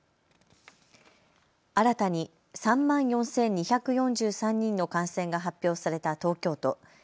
新たに３万４２４３人の感染が発表された東京都。